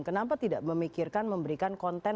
kenapa tidak memikirkan memberikan konten